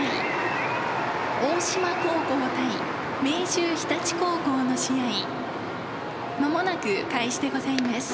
秀日立高校の試合間もなく開始でございます」。